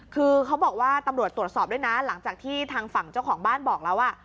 คือเขาบอกว่าตำรวจตรวจสอบด้วยนะหลังจากที่ทางฝั่งเจ้าของบ้านบอกแล้วว่า